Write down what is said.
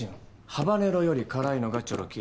ハバネロより辛いのがジョロキア。